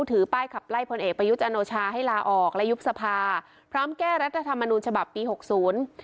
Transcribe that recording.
ถือป้ายขับไล่พลเอกประยุทธ์จันโอชาให้ลาออกและยุบสภาพร้อมแก้รัฐธรรมนูญฉบับปีหกศูนย์